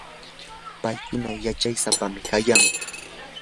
paykuna yachay sapam kayan.